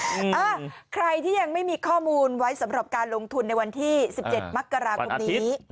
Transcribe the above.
อ่าใครที่ยังไม่มีข้อมูลไว้สำหรับการลงทุนในวันที่๑๗มกราคมนี้